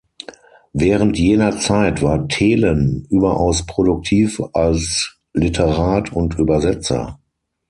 Während jener Zeit war Thelen überaus produktiv als Literat und Übersetzer.